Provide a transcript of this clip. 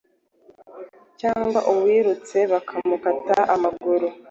cg uwirutse bakamukata amaguru!